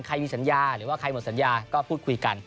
มีสัญญาหรือว่าใครหมดสัญญาก็พูดคุยกัน